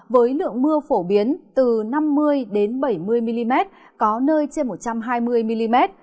với lượng mưa phổ biến từ năm mươi bảy mươi mm có nơi trên một trăm hai mươi mm